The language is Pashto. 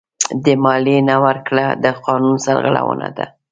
د مالیې نه ورکړه د قانون سرغړونه ده.